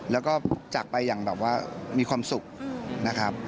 แล้วก็จากไปอย่างแบบว่ามีความสุขนะครับ